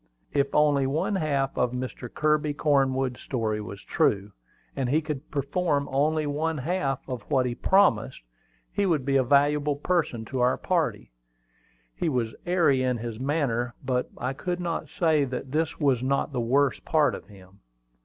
If only one half of Mr. Kirby Cornwood's story was true, and he could perform only one half of what he promised, he would be a valuable person to our party. He was airy in his manner; but I could not say that this was not the worst part of him.